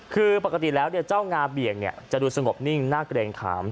คือปกติแล้วเจ้างาเบี่ยงจะดูสงบนิ่งน่าเกรงขาม